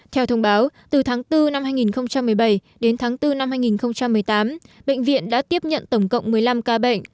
theo thông báo từ tháng bốn năm hai nghìn một mươi bảy đến tháng bốn năm hai nghìn một mươi tám bệnh viện đã tiếp nhận tổng cộng một mươi năm ca bệnh